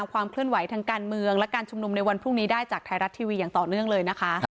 ความเคลื่อนไหวทางการเมืองและการชุมนุมในวันพรุ่งนี้ได้จากไทยรัฐทีวีอย่างต่อเนื่องเลยนะคะ